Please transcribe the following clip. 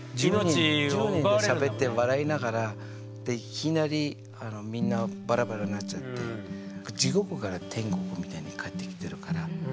１０人でしゃべって笑いながらいきなりあのみんなバラバラなっちゃって地獄から天国みたいに帰ってきてるから。